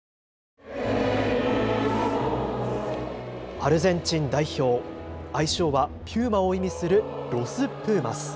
アルゼンチン代表、愛称はピューマを意味するロス・プーマス。